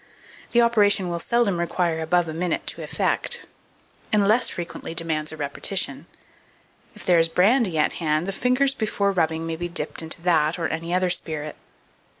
The operation will seldom require above a minute to effect, and less frequently demands a repetition. If there is brandy at hand, the fingers before rubbing may be dipped into that, or any other spirit.